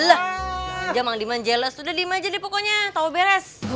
udah mang diman jeles udah dima aja deh pokoknya tau beres